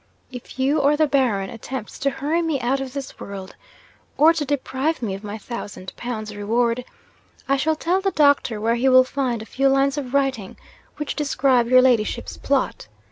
If you or the Baron attempts to hurry me out of this world, or to deprive me of my thousand pounds reward, I shall tell the doctor where he will find a few lines of writing, which describe your ladyship's plot.